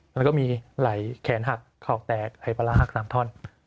แล้วก็มีไหลแขนหักเขาออกแตกไห่ปลาร้าหัก๓ท่อน